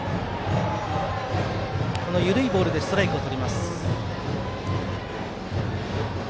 緩いボールでストライクをとります長内。